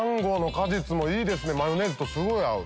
マヨネーズとすごい合う。